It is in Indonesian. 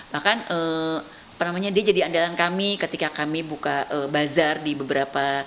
bahkan dia jadi andalan kami ketika kami buka bazar di beberapa